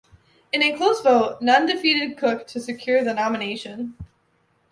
In a close vote, Nunn defeated Cook to secure the nomination.